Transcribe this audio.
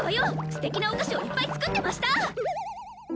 ステキなお菓子をいっぱい作ってました！